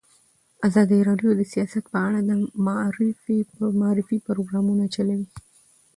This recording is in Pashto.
ازادي راډیو د سیاست په اړه د معارفې پروګرامونه چلولي.